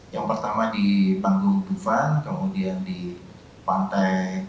yang pertama di panggung bufan kemudian di pantai